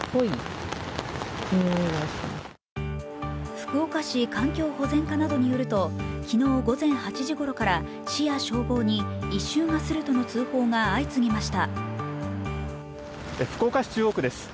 福岡市環境保全課などによると昨日午前８時ごろから市や消防に異臭がするとの通報が相次ぎました。